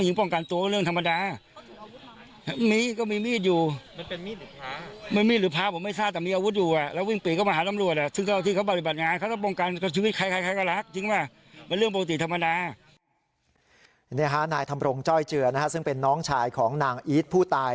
นี่ฮะนายธรรมรงจ้อยเจือนะฮะซึ่งเป็นน้องชายของนางอีทผู้ตาย